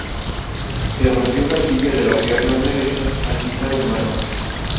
Se rompió la tibia de la pierna derecha al pisar un balón.